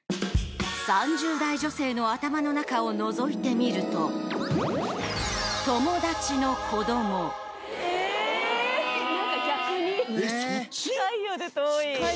３０代女性の頭の中をのぞいてみると何か逆に近いようで遠い。